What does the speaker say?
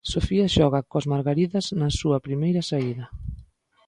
Sofía xoga coas margaridas na súa primeira saída.